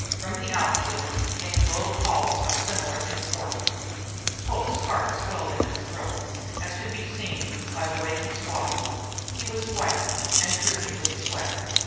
From the out field came low calls of similar import. Poke's heart swelled in his throat, as could be seen by the way he swallowed. He was white and dripping with sweat.